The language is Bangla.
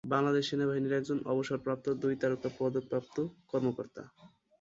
বাংলাদেশ সেনাবাহিনীর একজন অবসরপ্রাপ্ত দুই তারকা পদক প্রাপ্ত কর্মকর্তা।